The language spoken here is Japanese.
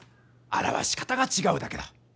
表し方がちがうだけだ！